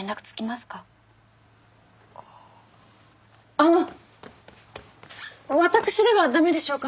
あの私ではダメでしょうか？